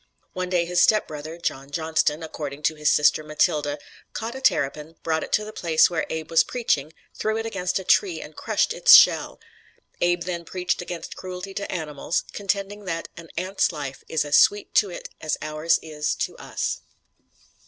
One day his stepbrother, John Johnston, according to his sister Matilda, "caught a terrapin, brought it to the place where Abe was 'preaching,' threw it against a tree and crushed its shell." Abe then preached against cruelty to animals, contending that "an ant's life is as sweet to it as ours is to us."